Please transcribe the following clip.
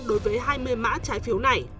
đối với hai mươi mã trái phiếu này